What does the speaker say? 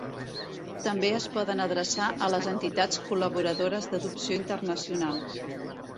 També es poden adreçar a les Entitats Col·laboradores d'Adopció Internacional.